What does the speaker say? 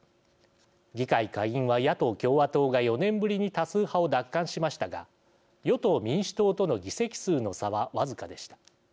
議会下院は、野党・共和党が４年ぶりに多数派を奪還しましたが与党・民主党との議席数の差は僅かでした。